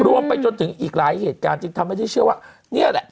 ไปจนถึงอีกหลายเหตุการณ์จึงทำให้ได้เชื่อว่านี่แหละ